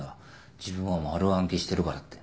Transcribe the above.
自分は丸暗記してるからって。